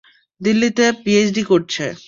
দিল্লিতে, পিএইচডি করছে।